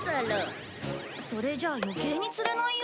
それじゃ余計に釣れないよ？